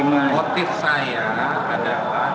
motif saya adalah